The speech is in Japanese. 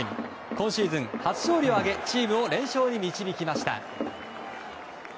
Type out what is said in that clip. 今シーズン初勝利を挙げチームを連勝に導きました。